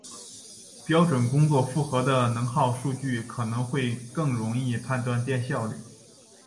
标准工作负荷的能耗数据可能会更容易判断电效率。